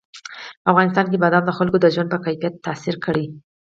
په افغانستان کې بادام د خلکو د ژوند په کیفیت تاثیر کوي.